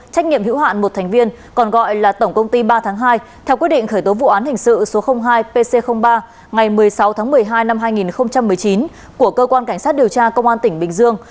trách nhiệm hữu hạn một thành viên còn gọi là tổng công ty ba tháng hai theo quyết định khởi tố vụ án hình sự số hai pc ba ngày một mươi sáu tháng một mươi hai năm hai nghìn một mươi chín của cơ quan cảnh sát điều tra công an tỉnh bình dương